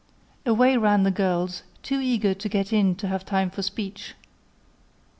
Away ran the girls, too eager to get in to have time for speech.